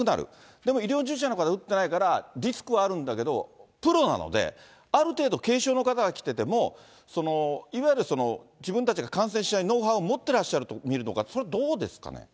でも医療従事者の方、打ってないから、リスクはあるんだけど、プロなので、ある程度、軽症の方が来てても、いわゆる自分たちが感染症のノウハウを持ってらっしゃると見るのか、それ、どうですかね。